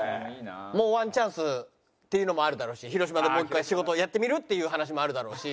っていうのもあるだろうし広島でもう１回仕事をやってみるっていう話もあるだろうし。